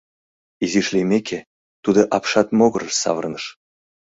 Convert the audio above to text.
Изиш лиймеке, тудо апшат могырыш савырныш.